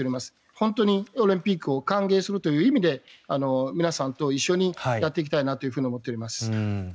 本当にオリンピックを歓迎するという意味で皆さんと一緒にやっていきたいなと思っています。